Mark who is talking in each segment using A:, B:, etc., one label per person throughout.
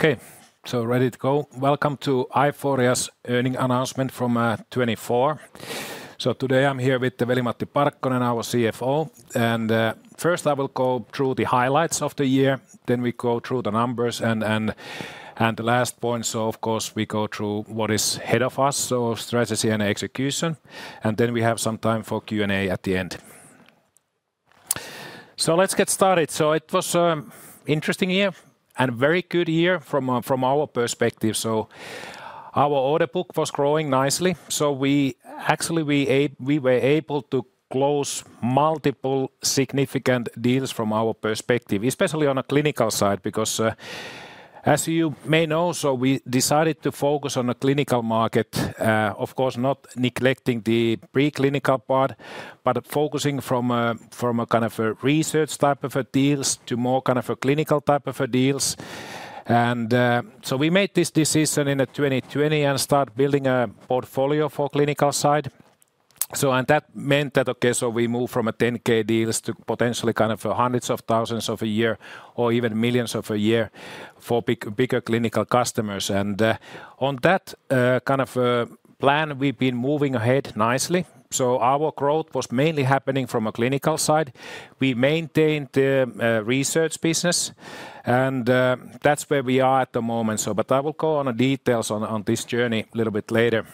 A: Okay, so ready to go. Welcome to Aiforia's earning announcement from 2024. Today I'm here with Veli-Matti Parkkonen, our CFO. First I will go through the highlights of the year, then we go through the numbers and the last points. Of course we go through what is ahead of us, so strategy and execution. We have some time for Q&A at the end. Let's get started. It was an interesting year and a very good year from our perspective. Our order book was growing nicely. We actually were able to close multiple significant deals from our perspective, especially on a clinical side, because as you may know, we decided to focus on a clinical market, of course not neglecting the preclinical part, but focusing from a kind of a research type of deals to more kind of a clinical type of deals. We made this decision in 2020 and started building a portfolio for the clinical side. That meant that, okay, we moved from 10-K deals to potentially kind of hundreds of thousands of a year or even millions of a year for bigger clinical customers. On that kind of plan, we've been moving ahead nicely. Our growth was mainly happening from a clinical side. We maintained the research business, and that's where we are at the moment. I will go on the details on this journey a little bit later.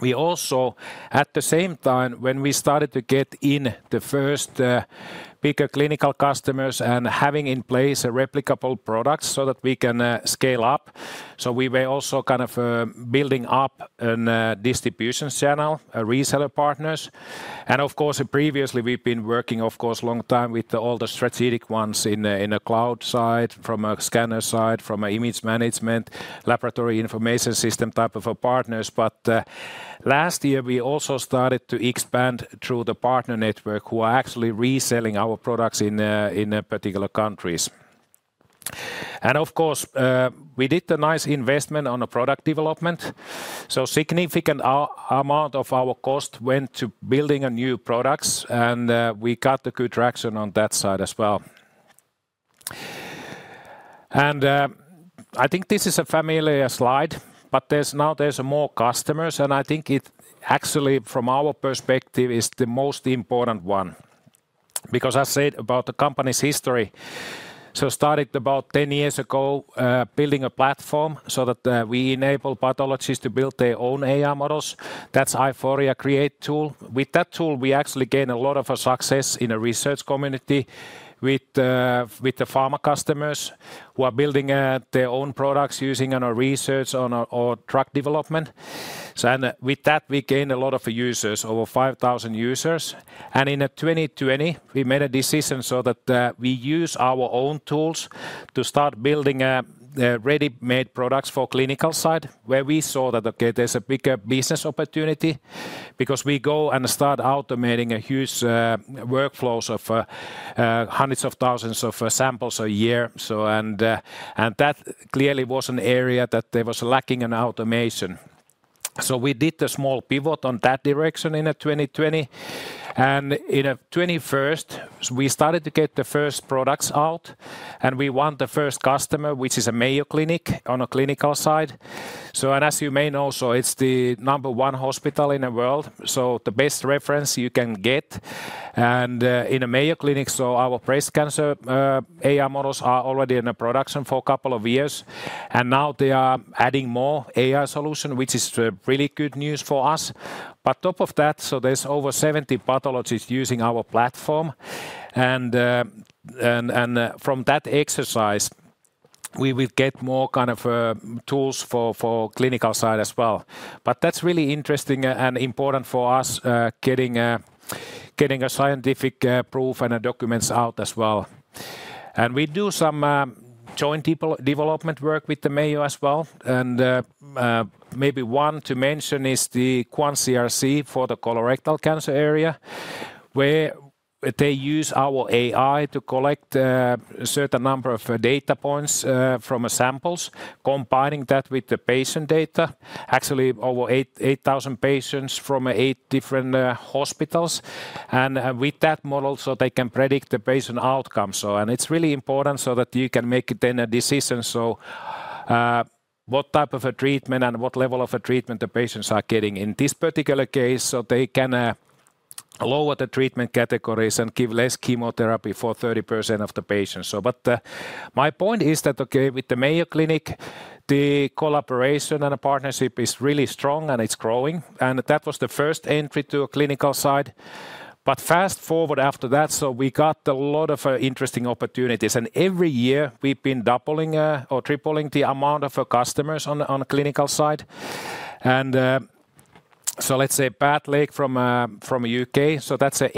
A: We also, at the same time, when we started to get in the first bigger clinical customers and having in place replicable products so that we can scale up, we were also kind of building up a distribution channel, reseller partners. Of course, previously we've been working, of course, a long time with all the strategic ones in the cloud side, from a scanner side, from an image management, laboratory information system type of partners. Last year we also started to expand through the partner network who are actually reselling our products in particular countries. Of course, we did a nice investment on product development. A significant amount of our cost went to building new products, and we got good traction on that side as well. I think this is a familiar slide, but now there's more customers, and I think it actually, from our perspective, is the most important one. Because I said about the company's history, started about 10 years ago building a platform so that we enable pathologists to build their own AI models. That's Aiforia Create tool. With that tool, we actually gained a lot of success in the research community with the pharma customers who are building their own products using our research on drug development. With that, we gained a lot of users, over 5,000 users. In 2020, we made a decision so that we use our own tools to start building ready-made products for the clinical side, where we saw that, okay, there's a bigger business opportunity because we go and start automating huge workflows of hundreds of thousands of samples a year. That clearly was an area that there was lacking in automation. We did a small pivot on that direction in 2020. In 2021, we started to get the first products out, and we won the first customer, which is Mayo Clinic on a clinical side. As you may know, it is the number one hospital in the world, so the best reference you can get. In Mayo Clinic, our breast cancer AI models are already in production for a couple of years, and now they are adding more AI solutions, which is really good news for us. On top of that, there are over 70 pathologists using our platform. From that exercise, we will get more kind of tools for the clinical side as well. That is really interesting and important for us, getting scientific proof and documents out as well. We do some joint development work with the Mayo as well. Maybe one to mention is the QuanCRC for the colorectal cancer area, where they use our AI to collect a certain number of data points from samples, combining that with the patient data. Actually, over 8,000 patients from eight different hospitals. With that model, they can predict the patient outcomes. It is really important so that you can make then a decision, so what type of a treatment and what level of a treatment the patients are getting. In this particular case, they can lower the treatment categories and give less chemotherapy for 30% of the patients. My point is that, okay, with the Mayo Clinic, the collaboration and the partnership is really strong and it is growing. That was the first entry to the clinical side. Fast forward after that, we got a lot of interesting opportunities. Every year we have been doubling or tripling the amount of customers on the clinical side. Let's say PathLAKE from the UK, that is an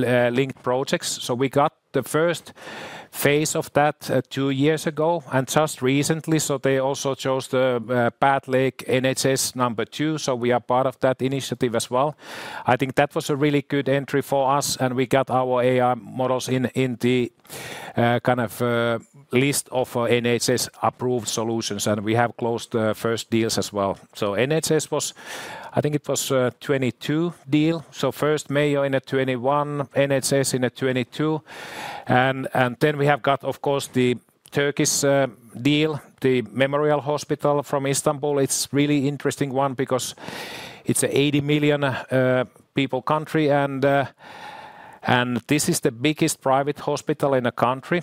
A: NHS-linked project. We got the first phase of that two years ago, and just recently they also chose the PathLAKE NHS number two. We are part of that initiative as well. I think that was a really good entry for us, and we got our AI models in the kind of list of NHS-approved solutions, and we have closed the first deals as well. NHS was, I think it was a 2022 deal. First Mayo in 2021, NHS in 2022. We have got, of course, the Turkish deal, the Memorial Hospital from Istanbul. It's a really interesting one because it's an 80 million people country, and this is the biggest private hospital in the country,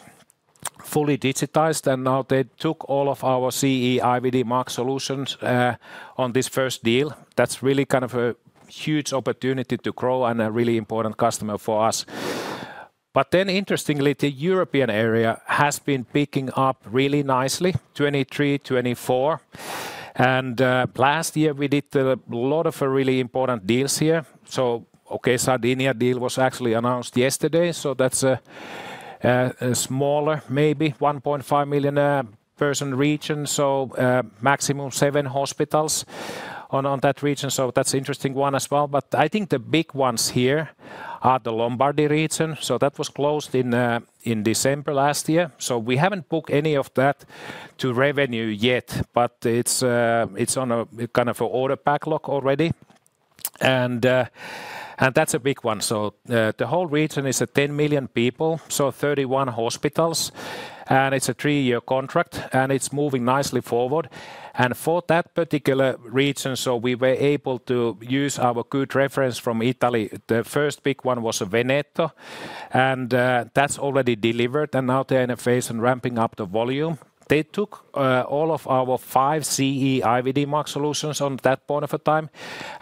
A: fully digitized. Now they took all of our CE-IVD-marked solutions on this first deal. That's really kind of a huge opportunity to grow and a really important customer for us. Interestingly, the European area has been picking up really nicely, 2023, 2024. Last year we did a lot of really important deals here. Sardinia deal was actually announced yesterday, so that's a smaller, maybe 1.5 million person region, so maximum seven hospitals in that region. That's an interesting one as well. I think the big ones here are the Lombardy region. That was closed in December last year. We haven't booked any of that to revenue yet, but it's on a kind of order backlog already. That is a big one. The whole region is 10 million people, 31 hospitals, and it is a three-year contract, and it is moving nicely forward. For that particular region, we were able to use our good reference from Italy. The first big one was Veneto, and that is already delivered, and now they are in a phase of ramping up the volume. They took all of our five CE-IVD-marked clinical AI solutions at that point of time.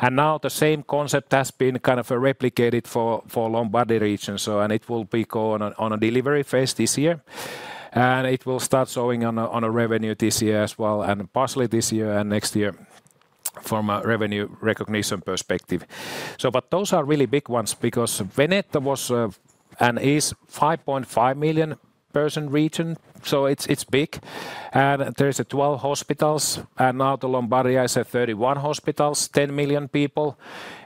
A: Now the same concept has been kind of replicated for Lombardy region, and it will be going on a delivery phase this year. It will start showing on revenue this year as well, and possibly this year and next year from a revenue recognition perspective. Those are really big ones because Veneto was and is a 5.5 million person region, so it is big. There are 12 hospitals, and now Lombardia is 31 hospitals, 10 million people.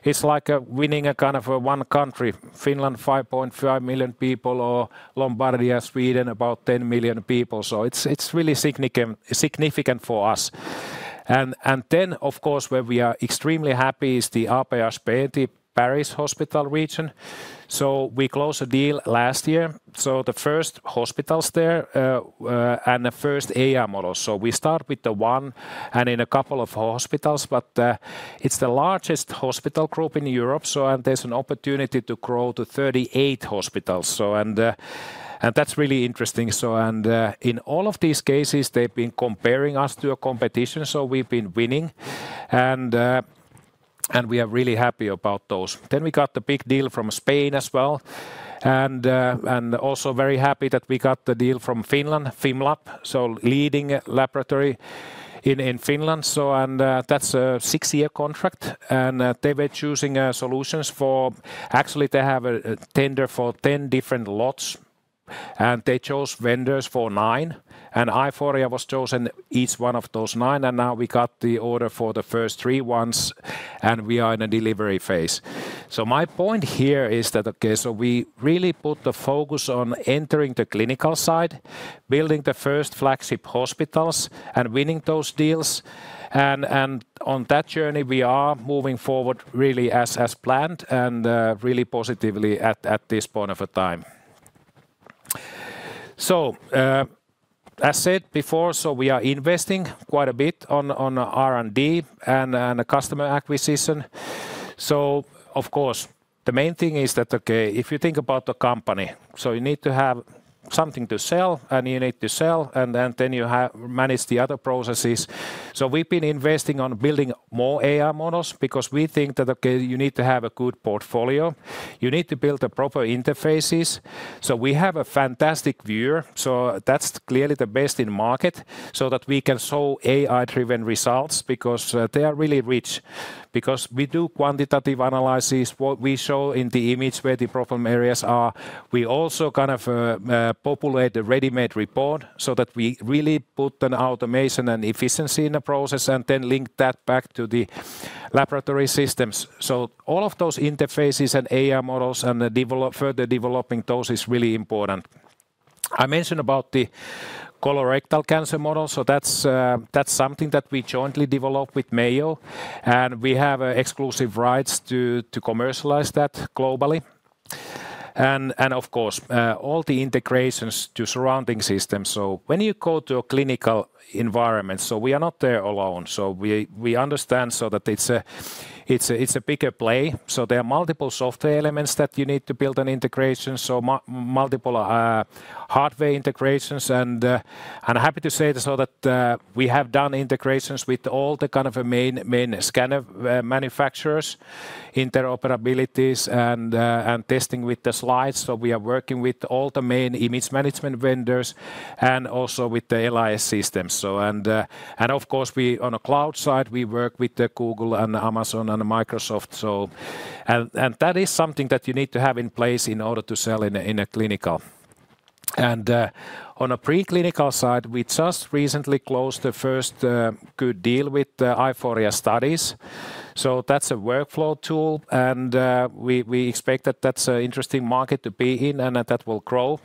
A: It is like winning a kind of one country, Finland 5.5 million people, or Lombardia, Sweden, about 10 million people. It is really significant for us. Of course, where we are extremely happy is the AP-HP Paris hospital region. We closed a deal last year. The first hospitals there and the first AI models. We start with the one and in a couple of hospitals, but it is the largest hospital group in Europe, and there is an opportunity to grow to 38 hospitals. That is really interesting. In all of these cases, they have been comparing us to competition, so we have been winning, and we are really happy about those. We got the big deal from Spain as well, and also very happy that we got the deal from Finland, Fimlab, so leading laboratory in Finland. That is a six-year contract, and they were choosing solutions for actually they have a tender for 10 different lots, and they chose vendors for nine, and Aiforia was chosen each one of those nine, and now we got the order for the first three ones, and we are in a delivery phase. My point here is that, okay, we really put the focus on entering the clinical side, building the first flagship hospitals, and winning those deals. On that journey, we are moving forward really as planned and really positively at this point of time. As said before, we are investing quite a bit on R&D and customer acquisition. Of course, the main thing is that, okay, if you think about the company, you need to have something to sell, and you need to sell, and then you manage the other processes. We have been investing on building more AI models because we think that, okay, you need to have a good portfolio, you need to build the proper interfaces. We have a fantastic viewer, that is clearly the best in the market, so that we can show AI-driven results because they are really rich. We do quantitative analysis, what we show in the image where the problem areas are. We also kind of populate the ready-made report so that we really put an automation and efficiency in the process and then link that back to the laboratory systems. All of those interfaces and AI models and further developing those is really important. I mentioned about the colorectal cancer model, so that's something that we jointly developed with Mayo, and we have exclusive rights to commercialize that globally. Of course, all the integrations to surrounding systems. When you go to a clinical environment, we are not there alone, so we understand that it's a bigger play. There are multiple software elements that you need to build an integration, so multiple hardware integrations. I'm happy to say that we have done integrations with all the kind of main scanner manufacturers, interoperabilities, and testing with the slides. We are working with all the main image management vendors and also with the LIS systems. Of course, on a cloud side, we work with Google and Amazon and Microsoft. That is something that you need to have in place in order to sell in a clinical. On a preclinical side, we just recently closed the first good deal with Aiforia studies. That is a workflow tool, and we expect that is an interesting market to be in, and that will grow.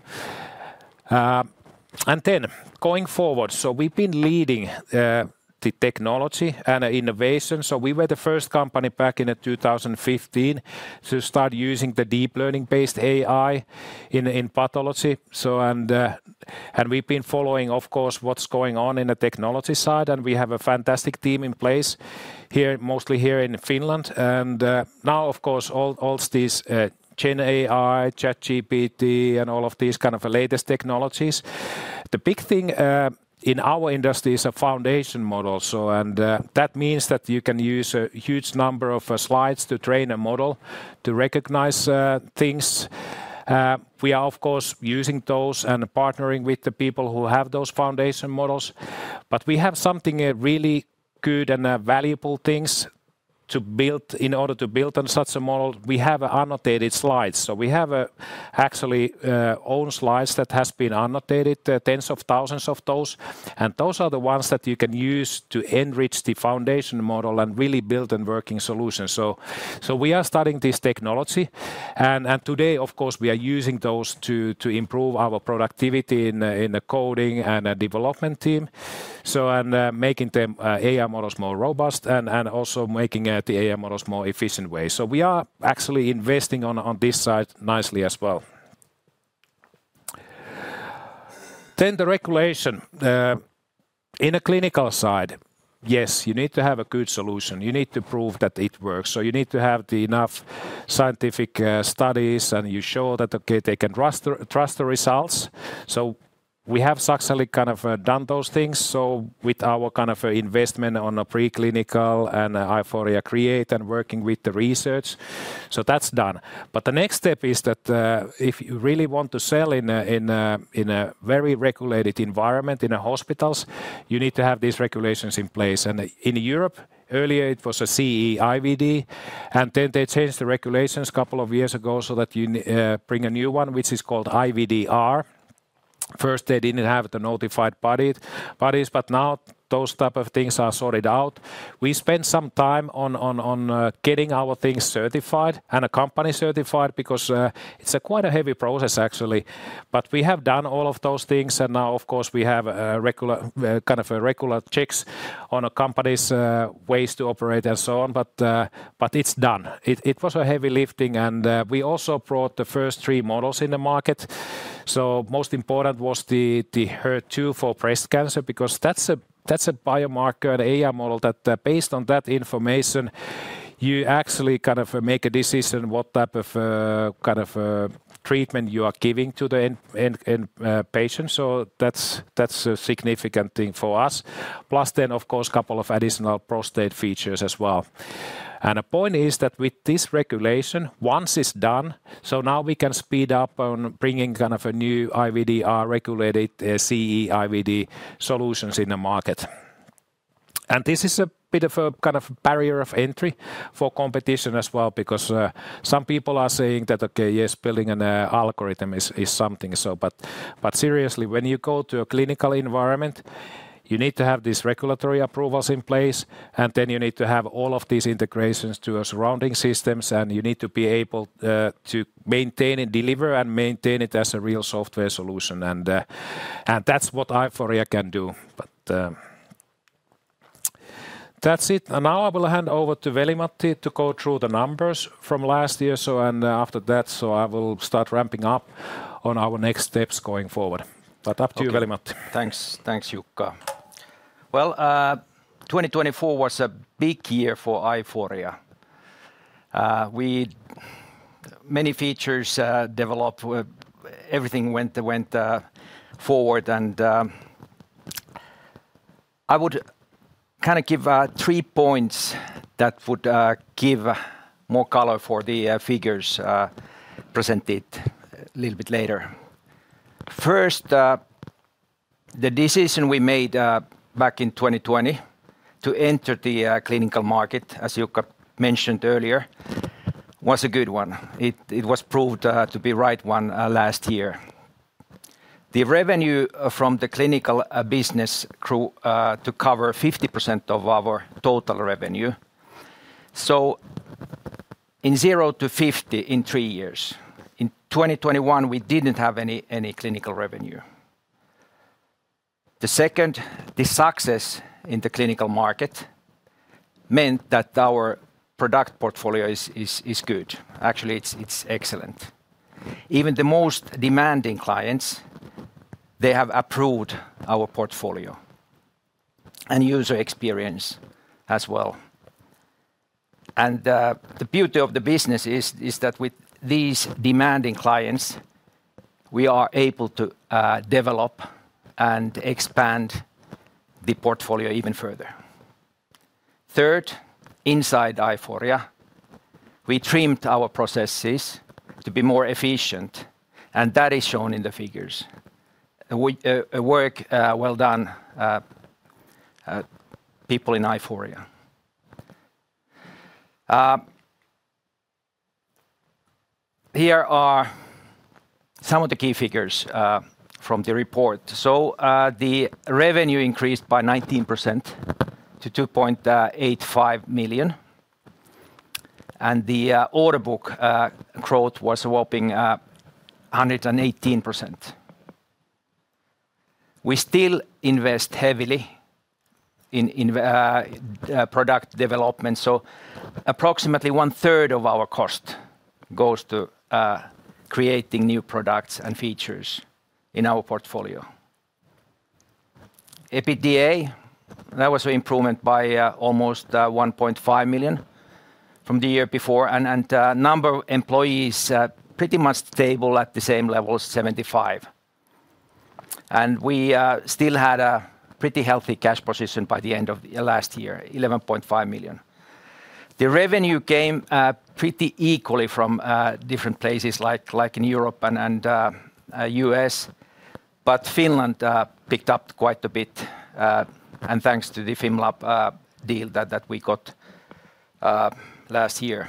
A: Going forward, we have been leading the technology and innovation. We were the first company back in 2015 to start using the deep learning-based AI in pathology. We have been following, of course, what is going on in the technology side, and we have a fantastic team in place, mostly here in Finland. Now, of course, all these GenAI, ChatGPT, and all of these kind of latest technologies. The big thing in our industry is a foundation model. That means that you can use a huge number of slides to train a model to recognize things. We are, of course, using those and partnering with the people who have those foundation models. We have something really good and valuable things to build in order to build on such a model. We have annotated slides. We have actually own slides that have been annotated, tens of thousands of those. Those are the ones that you can use to enrich the foundation model and really build a working solution. We are studying this technology. Today, of course, we are using those to improve our productivity in the coding and development team, and making the AI models more robust and also making the AI models more efficient way. We are actually investing on this side nicely as well. The regulation. In the clinical side, yes, you need to have a good solution. You need to prove that it works. You need to have enough scientific studies, and you show that, okay, they can trust the results. We have successfully kind of done those things. With our kind of investment on preclinical and Aiforia Create and working with the research, that's done. The next step is that if you really want to sell in a very regulated environment in hospitals, you need to have these regulations in place. In Europe, earlier it was a CE-IVD, and then they changed the regulations a couple of years ago so that you bring a new one, which is called IVDR. First, they did not have the notified bodies, but now those types of things are sorted out. We spent some time on getting our things certified and a company certified because it's quite a heavy process, actually. We have done all of those things, and now, of course, we have kind of regular checks on companies, ways to operate, and so on. It is done. It was a heavy lifting, and we also brought the first three models in the market. Most important was the HER2 for breast cancer because that is a biomarker and AI model that, based on that information, you actually kind of make a decision what type of kind of treatment you are giving to the patient. That is a significant thing for us. Plus then, of course, a couple of additional prostate features as well. The point is that with this regulation, once it is done, now we can speed up on bringing kind of a new IVDR regulated CE-IVD solutions in the market. This is a bit of a kind of barrier of entry for competition as well because some people are saying that, okay, yes, building an algorithm is something. Seriously, when you go to a clinical environment, you need to have these regulatory approvals in place, and then you need to have all of these integrations to your surrounding systems, and you need to be able to maintain and deliver and maintain it as a real software solution. That is what Aiforia can do. That is it. I will hand over to Veli-Matti to go through the numbers from last year. After that, I will start ramping up on our next steps going forward. Up to you, Veli-Matti.
B: Thanks, Jukka. 2024 was a big year for Aiforia. Many features developed, everything went forward. I would kind of give three points that would give more color for the figures presented a little bit later. First, the decision we made back in 2020 to enter the clinical market, as Jukka mentioned earlier, was a good one. It was proved to be the right one last year. The revenue from the clinical business grew to cover 50% of our total revenue. In zero to 50 in three years. In 2021, we did not have any clinical revenue. The second, the success in the clinical market meant that our product portfolio is good. Actually, it is excellent. Even the most demanding clients, they have approved our portfolio and user experience as well. The beauty of the business is that with these demanding clients, we are able to develop and expand the portfolio even further. Third, inside Aiforia, we trimmed our processes to be more efficient, and that is shown in the figures. Work well done, people in Aiforia. Here are some of the key figures from the report. The revenue increased by 19% to 2.85 million, and the order book growth was a whopping 118%. We still invest heavily in product development, so approximately one third of our cost goes to creating new products and features in our portfolio. EBITDA, that was an improvement by almost 1.5 million from the year before, and the number of employees pretty much stable at the same level, 75%. We still had a pretty healthy cash position by the end of last year, 11.5 million. The revenue came pretty equally from different places like in Europe and the US, but Finland picked up quite a bit, and thanks to the Fimlab deal that we got last year.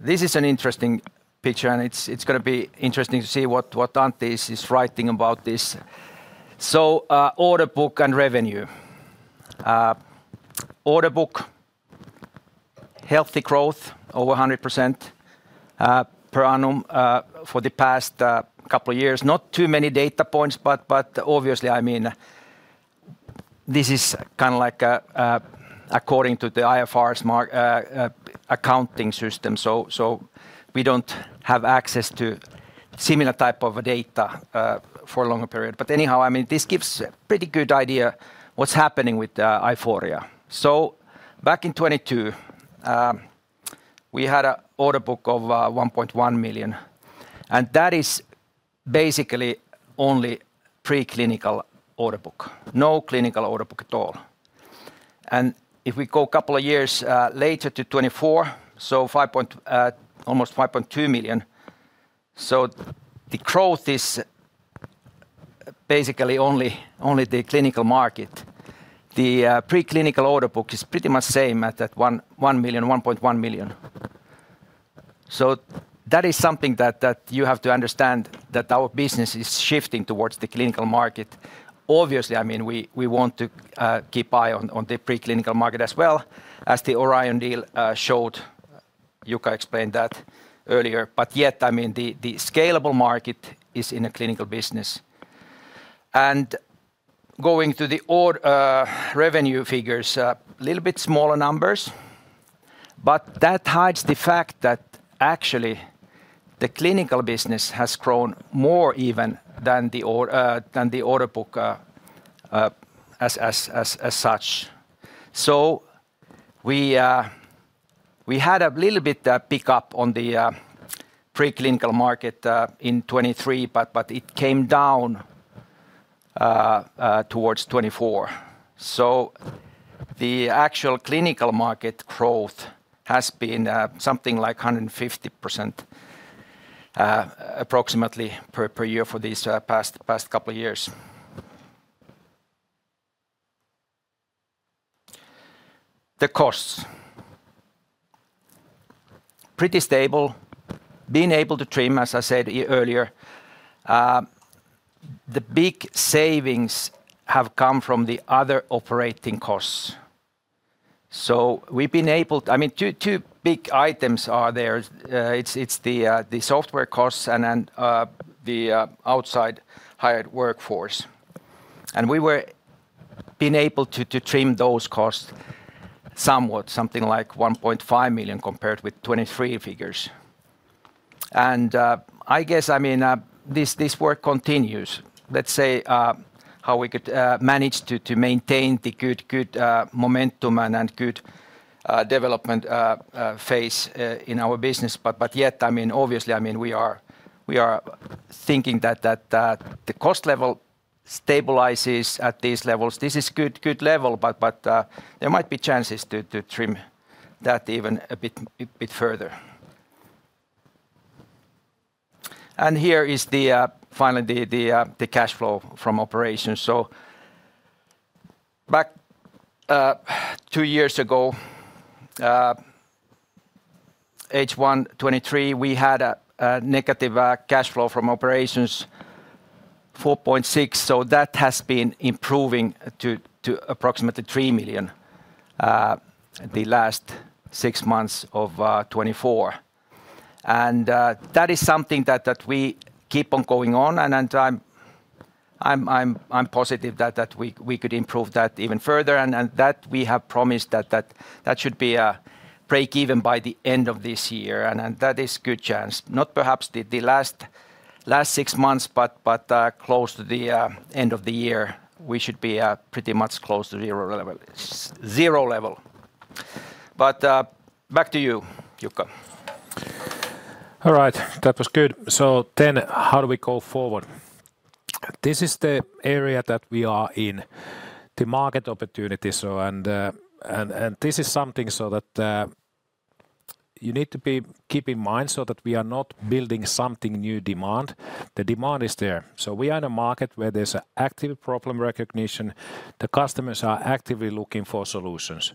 B: This is an interesting picture, and it's going to be interesting to see what Antti is writing about this. Order book and revenue. Order book, healthy growth over 100% per annum for the past couple of years. Not too many data points, but obviously, I mean, this is kind of like according to the IFRS accounting system, so we don't have access to similar type of data for a longer period. Anyhow, I mean, this gives a pretty good idea of what's happening with Aiforia. Back in 2022, we had an order book of 1.1 million, and that is basically only preclinical order book, no clinical order book at all. If we go a couple of years later to 2024, so almost 5.2 million, the growth is basically only the clinical market. The preclinical order book is pretty much the same at 1.1 million. That is something that you have to understand, that our business is shifting towards the clinical market. Obviously, I mean, we want to keep eye on the preclinical market as well, as the Orion deal showed. Jukka explained that earlier. Yet, I mean, the scalable market is in the clinical business. Going to the revenue figures, a little bit smaller numbers, but that hides the fact that actually the clinical business has grown more even than the order book as such. We had a little bit of pickup on the preclinical market in 2023, but it came down towards 2024. The actual clinical market growth has been something like 150% approximately per year for these past couple of years. The costs are pretty stable. Being able to trim, as I said earlier, the big savings have come from the other operating costs. We have been able to, I mean, two big items are there. It is the software costs and the outside hired workforce. We were able to trim those costs somewhat, something like 1.5 million compared with 2023 figures. I guess, I mean, this work continues. Let's see how we could manage to maintain the good momentum and good development phase in our business. Yet, I mean, obviously, I mean, we are thinking that the cost level stabilizes at these levels. This is a good level, but there might be chances to trim that even a bit further. Here is finally the cash flow from operations. Back two years ago, H1 2023, we had a negative cash flow from operations, 4.6 million. That has been improving to approximately 3 million the last six months of 2024. That is something that we keep on going on, and I'm positive that we could improve that even further. We have promised that should be a break even by the end of this year. That is a good chance. Not perhaps the last six months, but close to the end of the year, we should be pretty much close to zero level. Back to you, Jukka.
A: All right, that was good. How do we go forward? This is the area that we are in, the market opportunity. This is something that you need to keep in mind so that we are not building something new demand. The demand is there. We are in a market where there is an active problem recognition. The customers are actively looking for solutions.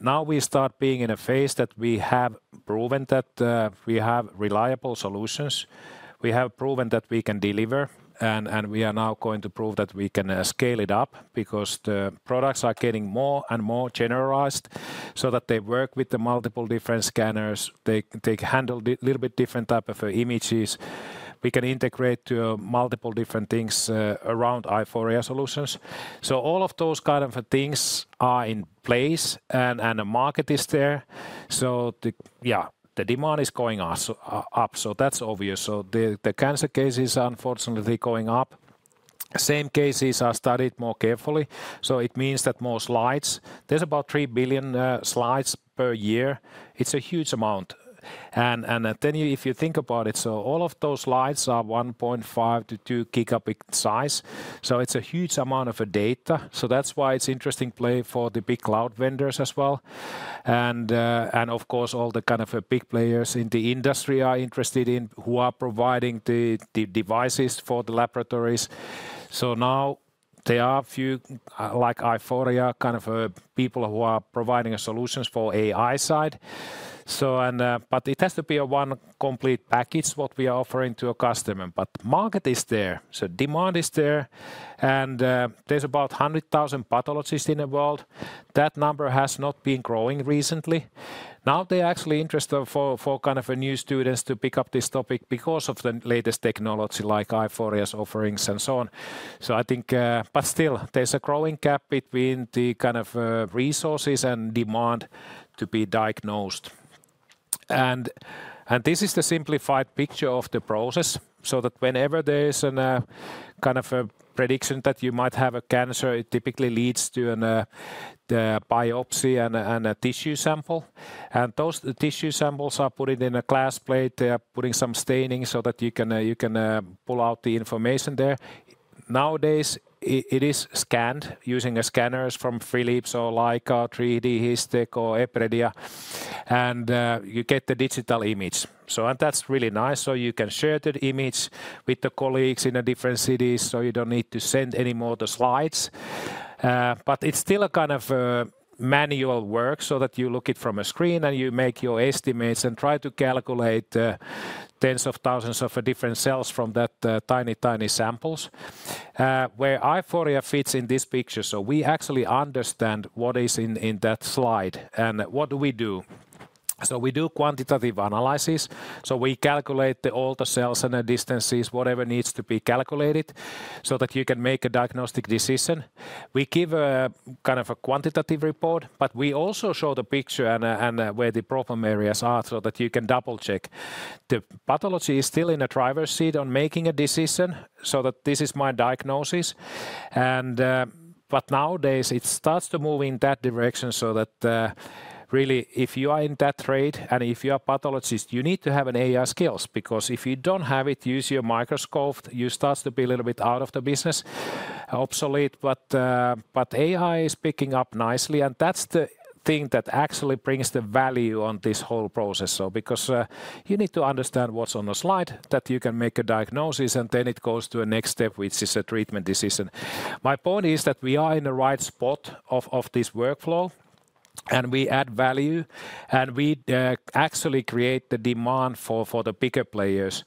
A: Now we start being in a phase that we have proven that we have reliable solutions. We have proven that we can deliver, and we are now going to prove that we can scale it up because the products are getting more and more generalized so that they work with multiple different scanners. They handle a little bit different types of images. We can integrate multiple different things around Aiforia solutions. All of those kinds of things are in place, and the market is there. Yeah, the demand is going up, that is obvious. The cancer cases are unfortunately going up. Same cases are studied more carefully. It means that more slides. There are about 3 billion slides per year. It's a huge amount. If you think about it, all of those slides are 1.5GB-2GB size. It's a huge amount of data. That's why it's an interesting play for the big cloud vendors as well. Of course, all the kind of big players in the industry are interested in who are providing the devices for the laboratories. Now there are a few, like Aiforia, kind of people who are providing solutions for AI side. It has to be one complete package what we are offering to a customer. The market is there. Demand is there. There are about 100,000 pathologists in the world. That number has not been growing recently. Now they're actually interested for kind of new students to pick up this topic because of the latest technology like Aiforia's offerings and so on. I think, but still, there's a growing gap between the kind of resources and demand to be diagnosed. This is the simplified picture of the process so that whenever there's a kind of prediction that you might have a cancer, it typically leads to a biopsy and a tissue sample. Those tissue samples are put on a glass plate. They are putting some staining so that you can pull out the information there. Nowadays, it is scanned using scanners from Philips or Leica, 3DHistech or Epredia. You get the digital image. That's really nice. You can share the image with the colleagues in different cities so you don't need to send any more of the slides. It is still a kind of manual work so that you look at it from a screen and you make your estimates and try to calculate tens of thousands of different cells from that tiny, tiny samples where Aiforia fits in this picture. We actually understand what is in that slide and what do we do. We do quantitative analysis. We calculate all the cells and the distances, whatever needs to be calculated so that you can make a diagnostic decision. We give a kind of a quantitative report, but we also show the picture and where the problem areas are so that you can double-check. The pathology is still in the driver's seat on making a decision so that this is my diagnosis. Nowadays, it starts to move in that direction so that really, if you are in that trade and if you are a pathologist, you need to have AI skills because if you do not have it, use your microscope, you start to be a little bit out of the business, obsolete. AI is picking up nicely, and that is the thing that actually brings the value on this whole process. You need to understand what is on the slide that you can make a diagnosis, and then it goes to a next step, which is a treatment decision. My point is that we are in the right spot of this workflow, and we add value, and we actually create the demand for the bigger players,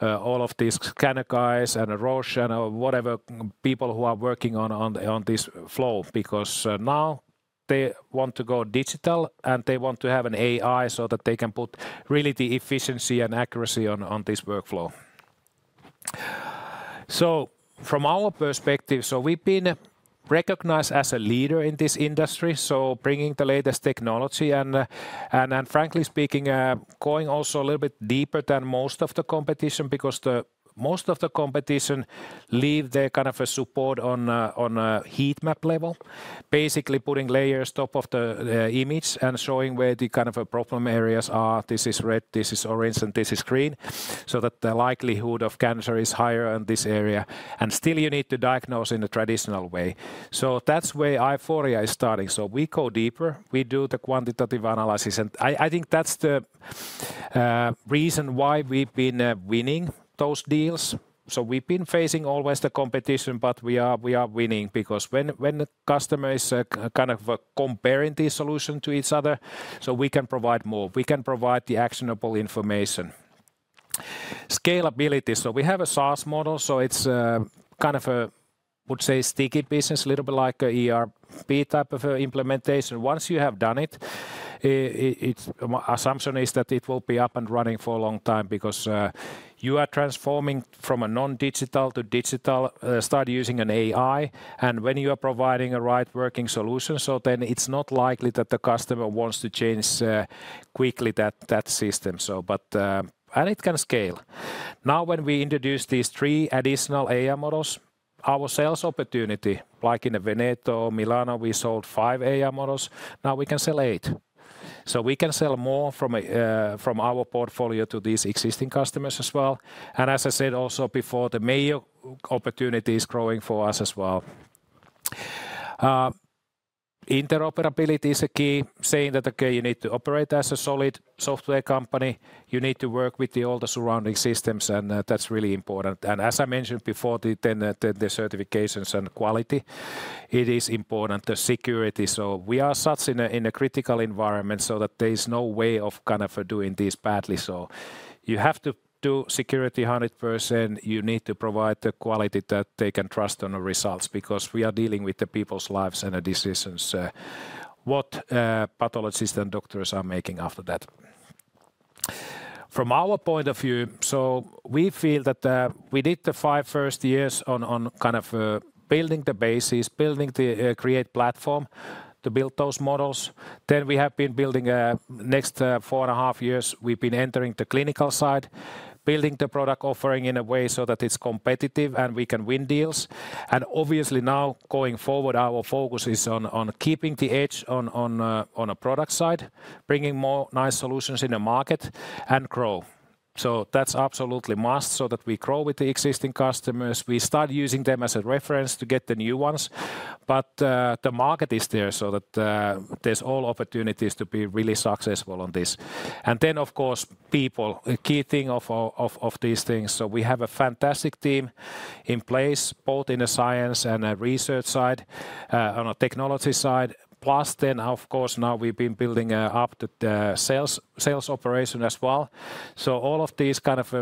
A: all of these scanner guys and Roche and whatever people who are working on this flow because now they want to go digital, and they want to have an AI so that they can put really the efficiency and accuracy on this workflow. From our perspective, we've been recognized as a leader in this industry, bringing the latest technology and, frankly speaking, going also a little bit deeper than most of the competition because most of the competition leave their kind of support on a heat map level, basically putting layers top of the image and showing where the kind of problem areas are. This is red, this is orange, and this is green so that the likelihood of cancer is higher in this area. You still need to diagnose in a traditional way. That is where Aiforia is starting. We go deeper. We do the quantitative analysis. I think that is the reason why we have been winning those deals. We have been facing always the competition, but we are winning because when the customer is kind of comparing these solutions to each other, we can provide more. We can provide the actionable information. Scalability. We have a SaaS model, so it is kind of a, I would say, sticky business, a little bit like an ERP type of implementation. Once you have done it, the assumption is that it will be up and running for a long time because you are transforming from a non-digital to digital, start using an AI, and when you are providing a right working solution, it is not likely that the customer wants to change quickly that system. It can scale. Now, when we introduced these three additional AI models, our sales opportunity, like in Veneto or Milano, we sold five AI models. Now we can sell eight. We can sell more from our portfolio to these existing customers as well. As I said also before, the major opportunity is growing for us as well. Interoperability is a key, saying that, okay, you need to operate as a solid software company. You need to work with all the surrounding systems, and that's really important. As I mentioned before, the certifications and quality, it is important, the security. We are such in a critical environment that there is no way of kind of doing this badly. You have to do security 100%. You need to provide the quality that they can trust on the results because we are dealing with people's lives and the decisions that pathologists and doctors are making after that. From our point of view, we feel that we did the first five years on kind of building the basis, building the Create platform to build those models. We have been building the next 4.5 years. We've been entering the clinical side, building the product offering in a way so that it's competitive and we can win deals. Obviously now going forward, our focus is on keeping the edge on a product side, bringing more nice solutions in the market and grow. That's absolutely must so that we grow with the existing customers. We start using them as a reference to get the new ones. The market is there so that there's all opportunities to be really successful on this. Of course, people, a key thing of these things. We have a fantastic team in place, both in the science and the research side, on a technology side. Plus, of course, now we've been building up the sales operation as well. All of these kind of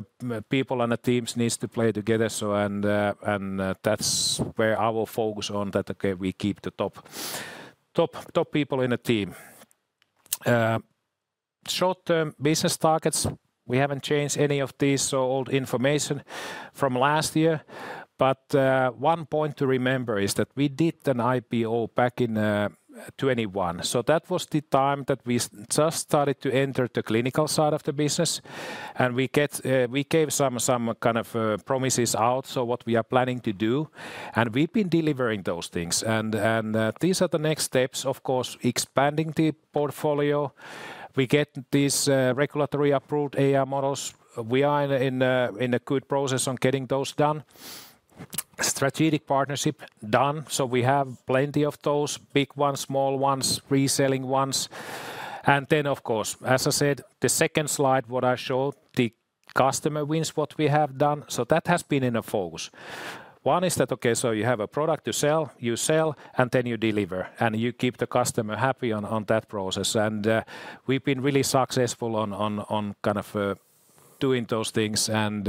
A: people and the teams need to play together. That's where our focus on that, okay, we keep the top people in the team. Short-term business targets. We haven't changed any of these, so old information from last year. One point to remember is that we did an IPO back in 2021. That was the time that we just started to enter the clinical side of the business. We gave some kind of promises out, what we are planning to do. We've been delivering those things. These are the next steps, of course, expanding the portfolio. We get these regulatory approved AI models. We are in a good process on getting those done. Strategic partnership done. We have plenty of those, big ones, small ones, reselling ones. As I said, the second slide, what I showed, the customer wins what we have done. That has been in the focus. One is that, okay, so you have a product to sell, you sell, and then you deliver. You keep the customer happy on that process. We have been really successful on kind of doing those things and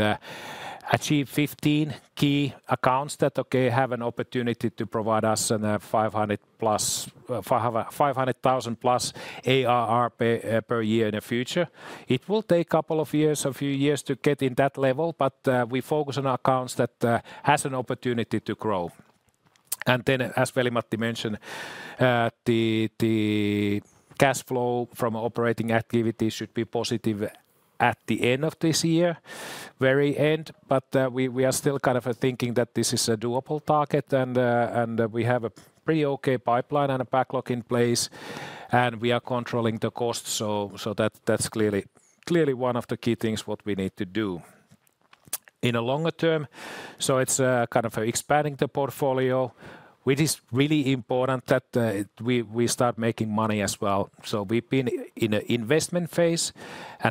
A: achieved 15 key accounts that, okay, have an opportunity to provide us 500,000+ ARR per year in the future. It will take a couple of years, a few years to get in that level, but we focus on accounts that have an opportunity to grow. As Veli-Matti mentioned, the cash flow from operating activity should be positive at the end of this year, very end. We are still kind of thinking that this is a doable target, and we have a pretty okay pipeline and a backlog in place, and we are controlling the cost. That is clearly one of the key things what we need to do in the longer term. It is kind of expanding the portfolio, which is really important that we start making money as well. We have been in the investment phase.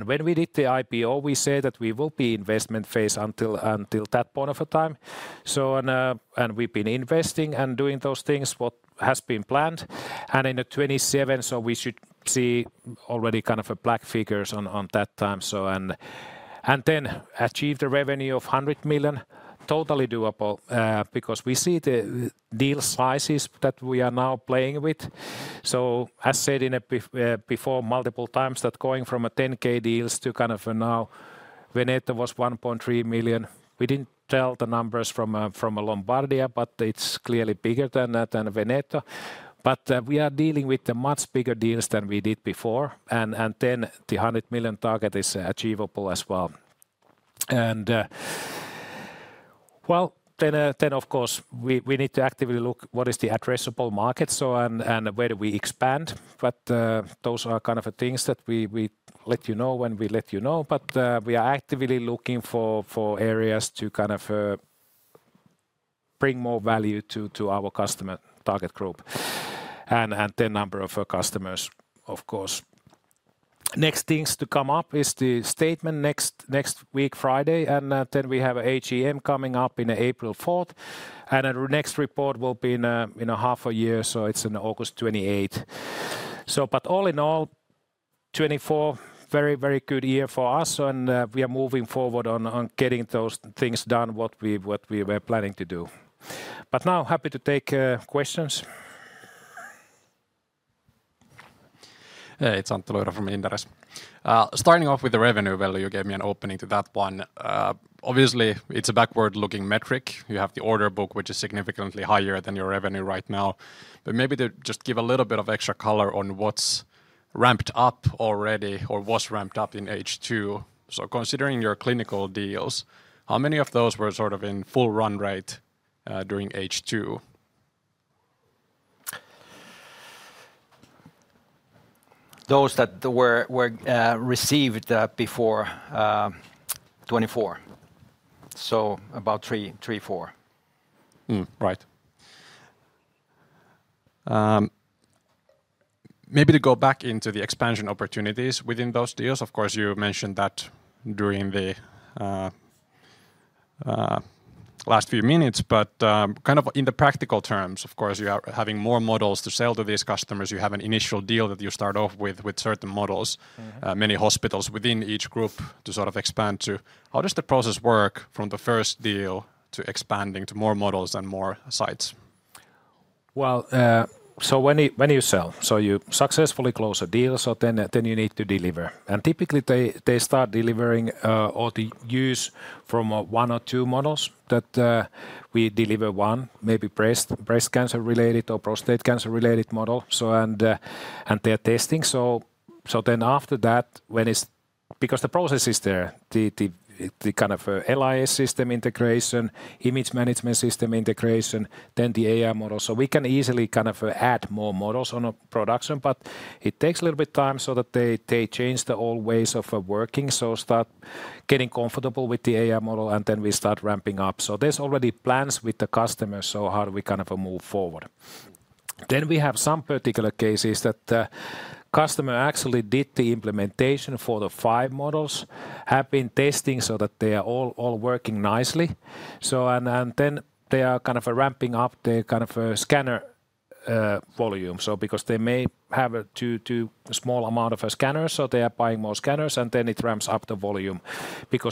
A: When we did the IPO, we said that we will be in the investment phase until that point of time. We have been investing and doing those things what has been planned. In 2027, we should see already kind of black figures on that time. Achieving the revenue of 100 million is totally doable because we see the deal sizes that we are now playing with. As said before multiple times, going from a 10,000 deal to kind of now Veneto was 1.3 million. We did not tell the numbers from Lombardy, but it is clearly bigger than Veneto. We are dealing with much bigger deals than we did before. The 100 million target is achievable as well. Of course, we need to actively look at what is the addressable market and where do we expand. Those are kind of things that we let you know when we let you know. We are actively looking for areas to kind of bring more value to our customer target group and the number of customers, of course. Next things to come up is the statement next week, Friday. We have an AGM coming up on April 4th. Our next report will be in half a year, so it is on August 28th. All in all, 2024, very, very good year for us. We are moving forward on getting those things done, what we were planning to do. Now happy to take questions.
C: It's Antti Luiro from Inderes. Starting off with the revenue value, you gave me an opening to that one. Obviously, it's a backward-looking metric. You have the order book, which is significantly higher than your revenue right now. Maybe to just give a little bit of extra color on what's ramped up already or was ramped up in H2. Considering your clinical deals, how many of those were sort of in full run rate during H2?
A: Those that were received before 2024, so about three, four.
C: Right. Maybe to go back into the expansion opportunities within those deals. Of course, you mentioned that during the last few minutes, but kind of in the practical terms, you are having more models to sell to these customers. You have an initial deal that you start off with certain models, many hospitals within each group to sort of expand to. How does the process work from the first deal to expanding to more models and more sites?
A: When you sell, so you successfully close a deal, so then you need to deliver. Typically, they start delivering or they use from one or two models that we deliver, one, maybe breast cancer related or prostate cancer related model. They are testing. After that, when it's because the process is there, the kind of LIS system integration, image management system integration, then the AI model. We can easily kind of add more models on production, but it takes a little bit of time so that they change the old ways of working. Start getting comfortable with the AI model, and then we start ramping up. There are already plans with the customer, so how do we kind of move forward? We have some particular cases that the customer actually did the implementation for the five models, have been testing so that they are all working nicely. They are kind of ramping up their kind of scanner volume, because they may have a small amount of scanners, so they are buying more scanners, and then it ramps up the volume.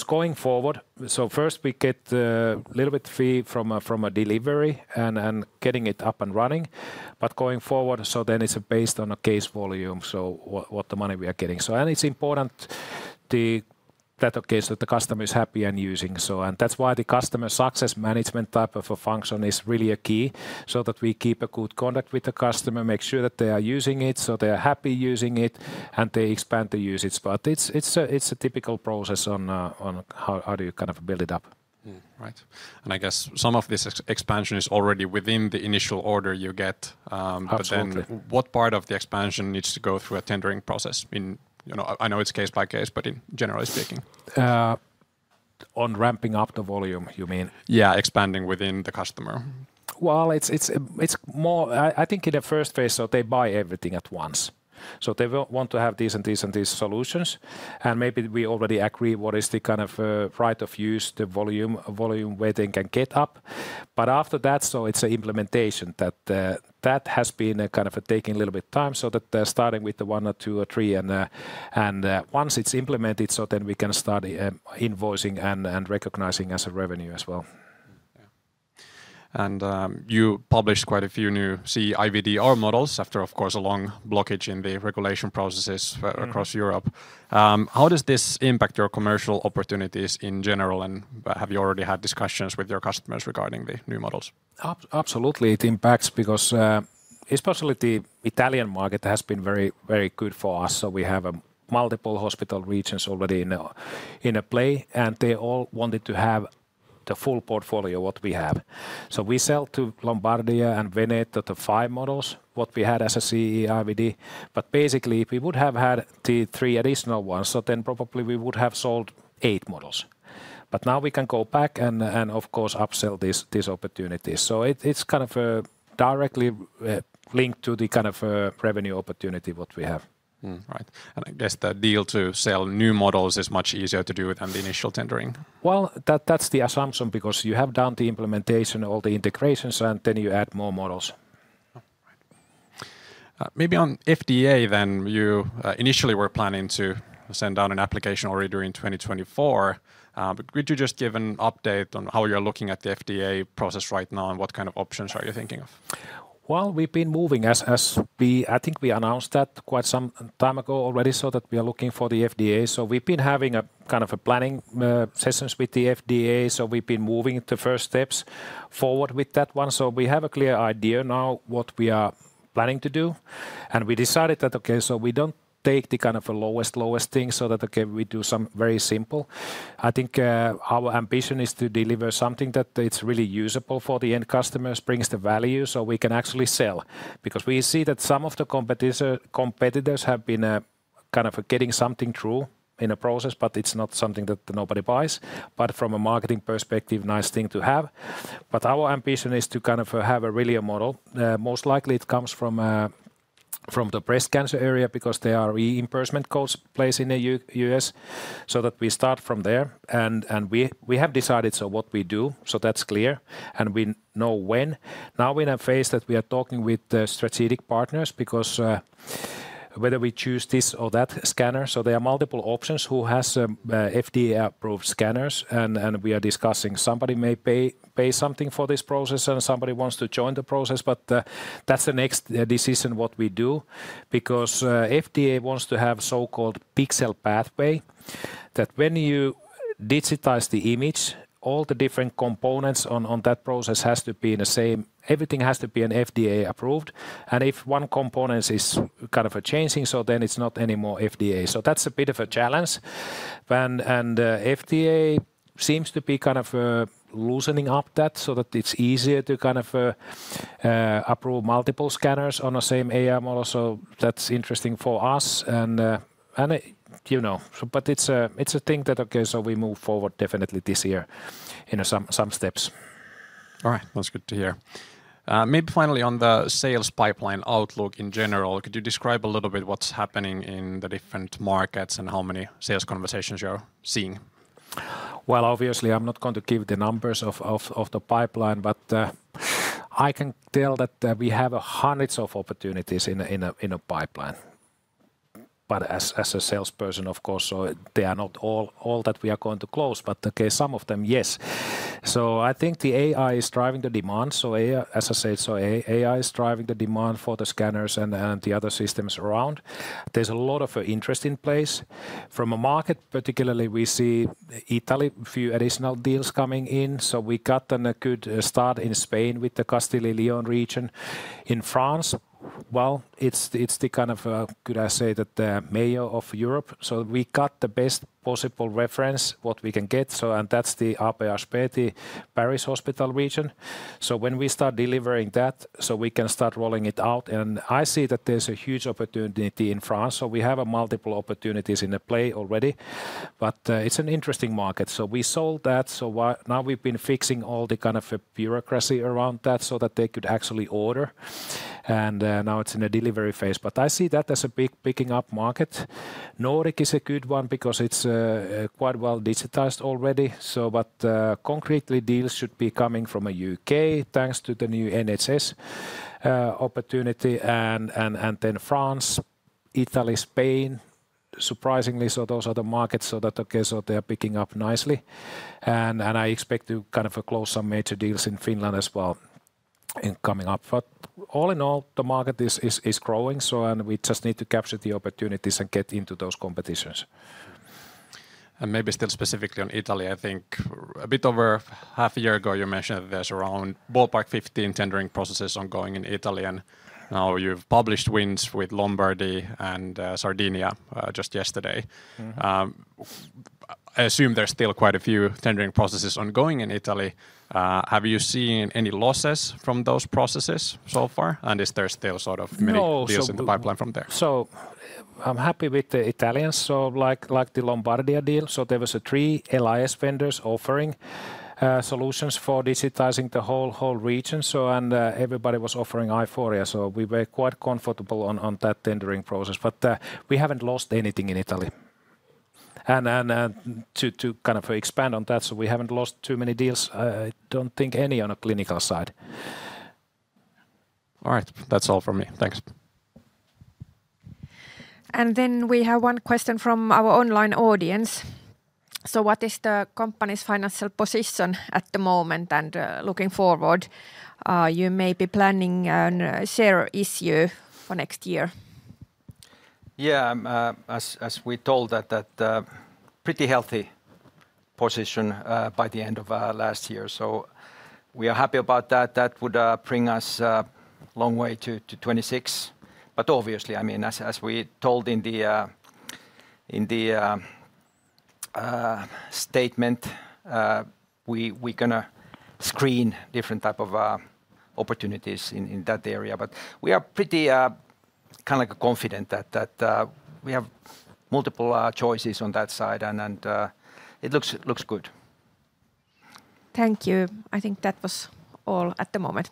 A: Going forward, first we get a little bit fee from a delivery and getting it up and running. Going forward, then it is based on a case volume, so what the money we are getting. It is important that the customer is happy and using. That is why the customer success management type of a function is really a key so that we keep a good contact with the customer, make sure that they are using it, so they are happy using it, and they expand the usage. It is a typical process on how do you kind of build it up. Right.
C: I guess some of this expansion is already within the initial order you get. Absolutely. What part of the expansion needs to go through a tendering process? I know it is case by case, but generally speaking.
A: On ramping up the volume, you mean?
C: Yeah, expanding within the customer.
A: I think in the first phase, they buy everything at once. They want to have these and these and these solutions. Maybe we already agree what is the kind of right of use, the volume where they can get up. After that, it is an implementation that has been kind of taking a little bit of time so that they are starting with the one or two or three. Once it is implemented, then we can start invoicing and recognizing as a revenue as well.
C: You published quite a few new CE-IVDR models after, of course, a long blockage in the regulation processes across Europe. How does this impact your commercial opportunities in general? Have you already had discussions with your customers regarding the new models? Absolutely. It impacts because especially the Italian market has been very good for us. We have multiple hospital regions already in play. They all wanted to have the full portfolio what we have. We sell to Lombardia and Veneto the five models what we had as a CE-IVD. Basically, if we would have had the three additional ones, then probably we would have sold eight models. Now we can go back and, of course, upsell these opportunities. It is kind of directly linked to the kind of revenue opportunity what we have. Right.
B: I guess the deal to sell new models is much easier to do than the initial tendering.
A: That is the assumption because you have done the implementation, all the integrations, and then you add more models.
C: Maybe on FDA then, you initially were planning to send out an application already during 2024. Could you just give an update on how you are looking at the FDA process right now and what kind of options are you thinking of?
A: We have been moving as I think we announced that quite some time ago already so that we are looking for the FDA. We have been having kind of planning sessions with the FDA. We have been moving the first steps forward with that one. We have a clear idea now what we are planning to do. We decided that, okay, we do not take the kind of lowest thing so that, okay, we do something very simple. I think our ambition is to deliver something that is really usable for the end customers, brings the value so we can actually sell. Because we see that some of the competitors have been kind of getting something through in a process, but it is not something that anybody buys. From a marketing perspective, nice thing to have. Our ambition is to have really a model. Most likely it comes from the breast cancer area because there are reimbursement codes placed in the US. We start from there. We have decided what we do, so that's clear. We know when. Now we're in a phase that we are talking with the strategic partners because whether we choose this or that scanner. There are multiple options who have FDA-approved scanners. We are discussing somebody may pay something for this process and somebody wants to join the process. That's the next decision what we do. FDA wants to have so-called pixel pathway that when you digitize the image, all the different components on that process have to be in the same. Everything has to be FDA-approved. If one component is kind of changing, then it's not anymore FDA. That's a bit of a challenge. FDA seems to be kind of loosening up that so that it's easier to kind of approve multiple scanners on the same AI model. That is interesting for us. You know, it's a thing that, okay, we move forward definitely this year in some steps.
C: All right. That is good to hear. Maybe finally on the sales pipeline outlook in general, could you describe a little bit what's happening in the different markets and how many sales conversations you're seeing?
A: Obviously, I'm not going to give the numbers of the pipeline, but I can tell that we have hundreds of opportunities in a pipeline. As a salesperson, of course, they are not all that we are going to close, but okay, some of them, yes. I think the AI is driving the demand. As I said, AI is driving the demand for the scanners and the other systems around. There's a lot of interest in place. From a market, particularly, we see Italy, a few additional deals coming in. We got a good start in Spain with the Castilla y León region. In France, it's the kind of, could I say that the mayor of Europe. We got the best possible reference what we can get. That's the AP-HP Paris hospital region. When we start delivering that, we can start rolling it out. I see that there's a huge opportunity in France. We have multiple opportunities in the play already. It's an interesting market. We sold that. Now we've been fixing all the kind of bureaucracy around that so that they could actually order. Now it's in the delivery phase. I see that as a big picking up market. Nordic is a good one because it's quite well digitized already. Concretely, deals should be coming from the UK thanks to the new NHS opportunity. France, Italy, Spain, surprisingly, those are the markets, so they are picking up nicely. I expect to kind of close some major deals in Finland as well in coming up. All in all, the market is growing. We just need to capture the opportunities and get into those competitions.
C: Maybe still specifically on Italy, I think a bit over half a year ago, you mentioned that there's around ballpark 15 tendering processes ongoing in Italy. Now you've published wins with Lombardy and Sardinia just yesterday. I assume there's still quite a few tendering processes ongoing in Italy.Have you seen any losses from those processes so far? Is there still sort of many deals in the pipeline from there? I'm happy with the Italians.
B: Like the Lombardy deal, there were three LIS vendors offering solutions for digitizing the whole region, and everybody was offering Aiforia. We were quite comfortable on that tendering process. We haven't lost anything in Italy. To kind of expand on that, we haven't lost too many deals. I don't think any on a clinical side.
C: All right. That's all from me. Thanks.
D: We have one question from our online audience. What is the company's financial position at the moment? Looking forward, you may be planning a share issue for next year.
E: Yeah, as we told, that's a pretty healthy position by the end of last year. We are happy about that. That would bring us a long way to 2026. Obviously, I mean, as we told in the statement, we are going to screen different types of opportunities in that area. We are pretty kind of confident that we have multiple choices on that side. It looks good.
D: Thank you. I think that was all at the moment.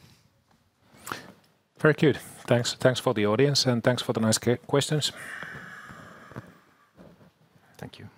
A: Very good. Thanks for the audience and thanks for the nice questions.
B: Thank you.